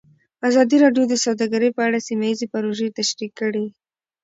ازادي راډیو د سوداګري په اړه سیمه ییزې پروژې تشریح کړې.